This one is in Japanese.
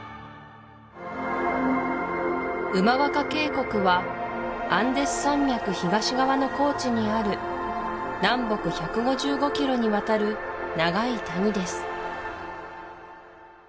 ウマワカ渓谷はアンデス山脈東側の高地にある南北１５５キロにわたる長い谷です